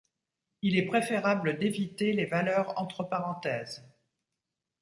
Il est préférable d'éviter les valeurs entre parenthèses.